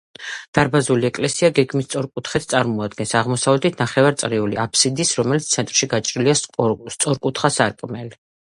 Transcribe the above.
დარბაზული ეკლესია გეგმით სწორკუთხედს წარმოადგენს, აღმოსავლეთით ნახევარწრიული აბსიდით, რომლის ცენტრში გაჭრილია სწორკუთხა სარკმელი.